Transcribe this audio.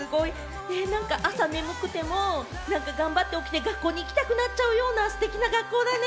なんか眠くても頑張って起きて、学校に行きたくなっちゃうような学校だね！